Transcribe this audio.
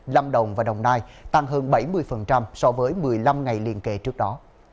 lâm đồng và đồng nai tăng hơn bảy mươi so với một mươi năm ngày liên kệ trước đó